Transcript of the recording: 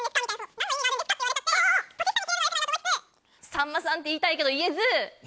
さんまさんって言いたいけど言えず。